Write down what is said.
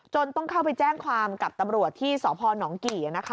ต้องเข้าไปแจ้งความกับตำรวจที่สพนกี่